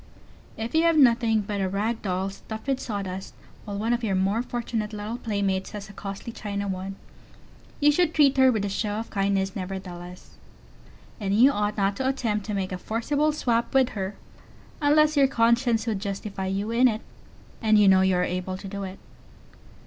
If you have nothing but a rag doll stuffed with sawdust, while one of your more fortunate little playmates has a costly China one, you should treat her with a show of kindness nevertheless. And you ought not to attempt to make a forcible swap with her unless your conscience would justify you in it, and you know you are able to do it.